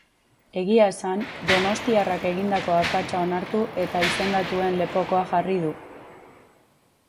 Egia esan, donostiarrak egindako akatsa onartu eta izendatuen lepokoa jarri du.